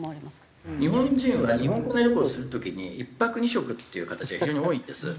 日本人は日本国内旅行する時に１泊２食っていう形が非常に多いんです。